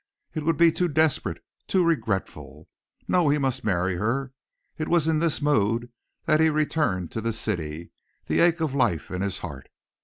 It would be too desperate, too regretful. No, he must marry her. It was in this mood that he returned to the city, the ache of life in his heart.